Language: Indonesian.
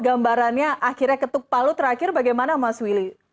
gambarannya akhirnya ketuk palu terakhir bagaimana mas willy